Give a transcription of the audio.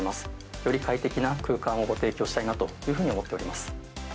より快適な空間をご提供したいなというふうに思っています。